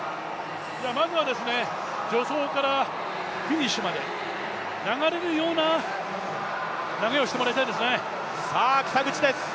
まずは助走からフィニッシュまで流れるような投げをしてもらいたいですね。